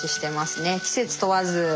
季節問わず。